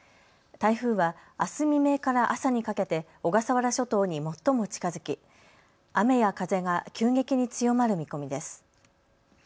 台風は、あす未明から朝にかけて小笠原諸島に最も近づき雨や風が急激に強まる見込みです。